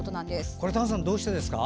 これはどうしてですか？